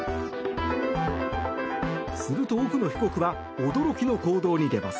すると奥野被告は驚きの行動に出ます。